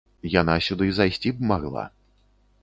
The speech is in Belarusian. Яна сюды зайсці б магла.